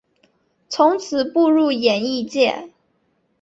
从此步入演艺界。